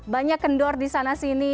banyak kendor di sana sini